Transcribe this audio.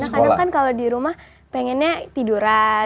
karena kan kalau di rumah pengennya tiduran